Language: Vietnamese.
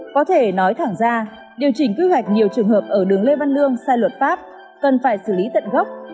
có thể nói thẳng ra điều chỉnh quy hoạch nhiều trường hợp ở đường lê văn lương sai luật pháp cần phải xử lý tận gốc